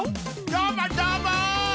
どーもどーも！